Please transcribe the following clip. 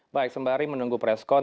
baik sembari menunggu preskon